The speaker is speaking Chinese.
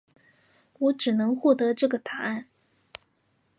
我只能获得这个答案